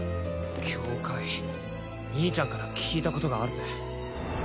境界兄ちゃんから聞いたことがあるぜ